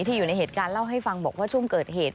อยู่ในเหตุการณ์เล่าให้ฟังบอกว่าช่วงเกิดเหตุ